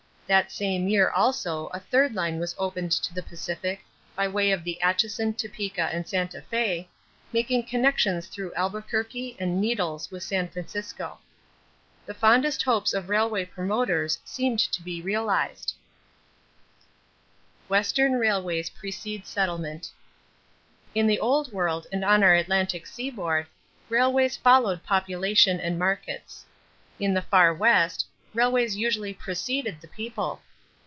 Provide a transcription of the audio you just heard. That same year also a third line was opened to the Pacific by way of the Atchison, Topeka and Santa Fé, making connections through Albuquerque and Needles with San Francisco. The fondest hopes of railway promoters seemed to be realized. [Illustration: UNITED STATES IN 1870] =Western Railways Precede Settlement.= In the Old World and on our Atlantic seaboard, railways followed population and markets. In the Far West, railways usually preceded the people.